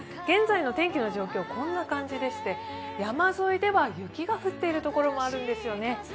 現在の天気の状況、こんな感じでして山沿いでは雪が降っているところもあるんですよね。